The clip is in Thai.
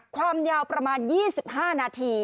ความยาวประมาณ๒๕นาที